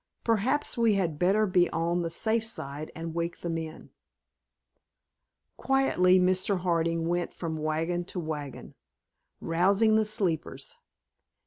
Perhaps we had better be on the safe side and wake the men." Quietly Mr. Harding went from wagon to wagon, rousing the sleepers.